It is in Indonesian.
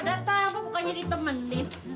data apa pokoknya ditemenin